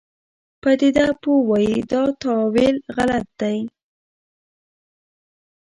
پدیده پوه وایي دا تاویل غلط دی.